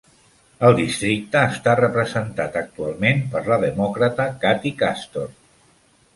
El districte està representat actualment per la demòcrata Kathy Castor.